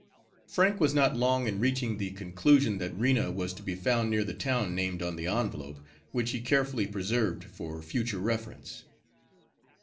Frank was not long in reaching the conclusion that Rena was to be found near the town named on the envelope, which he carefully preserved for future reference.